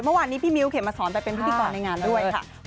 เมื่อวานนี้พี่มิ้วเขมมาสอนไปเป็นพิธีกรในงานด้วยค่ะ